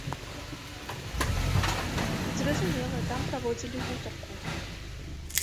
Зразумела, там праводзілі гутарку.